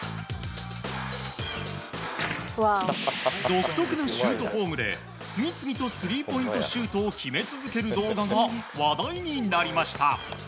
独特なシュートフォームで次々とスリーポイントシュートを決め続ける動画が話題になりました。